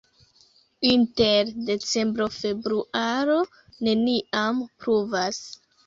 Inter decembro-februaro neniam pluvas.